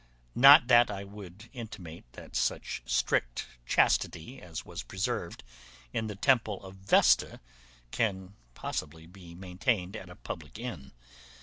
Not that I would intimate that such strict chastity as was preserved in the temple of Vesta can possibly be maintained at a public inn.